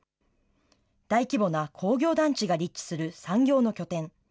大規模な工業団地が立地する産業の拠点。